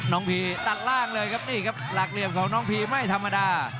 น้องพีตัดล่างเลยครับหลากเหลี่ยมของน้องพีไม่ธรรมดา